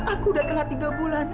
aku sudah telah tiga bulan